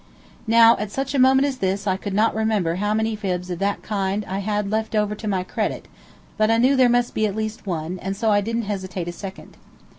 Now at such a moment as this I could not remember how many fibs of that kind I had left over to my credit, but I knew there must be at least one, and so I didn't hesitate a second.